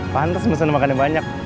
pantes musuhnya makannya banyak